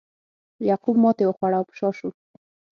یعقوب ماتې وخوړه او په شا شو.